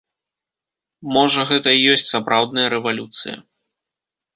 Можа, гэта і ёсць сапраўдная рэвалюцыя.